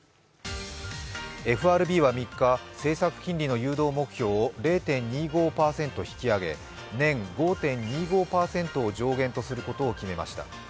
ＦＲＢは３日、政策金利の誘導目標を０．２５％引き上げ、年５．２５％を上限とすることを決めました。